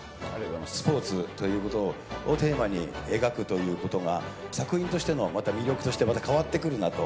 スポーツということをテーマに描くということが作品としてのまた魅力としてまた変わってくるなと。